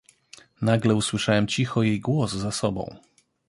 "Nagle usłyszałem cicho jej głos za sobą."